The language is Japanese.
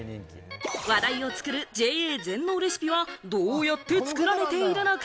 話題を作るＪＡ全農レシピはどうやって作られているのか？